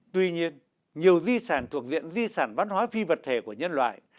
tuy nhiên nhiều di sản thuộc diện di sản văn hóa phi vật thể của nhân loại